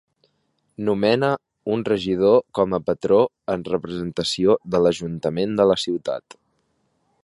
Nomene un regidor com a patró en representació de l'ajuntament de la ciutat.